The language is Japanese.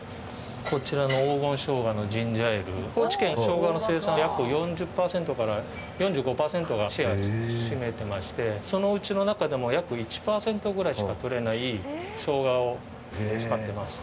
こちらの高知県はしょうがの生産の約４０％から４５％のシェアを占めていまして、そのうちの中でも約１％ぐらいしか取れないしょうがを使っています。